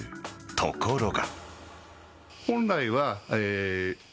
ところが。